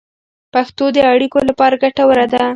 پښتو د اړیکو لپاره ګټوره ده.